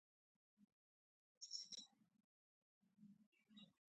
تورې هرکارې اوږد لاستی لاره د پخولو.